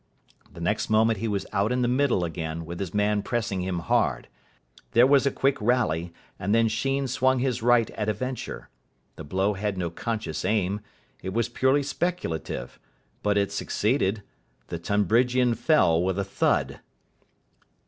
The next moment he was out in the middle again, with his man pressing him hard. There was a quick rally, and then Sheen swung his right at a venture. The blow had no conscious aim. It was purely speculative. But it succeeded. The Tonbridgian fell with a thud.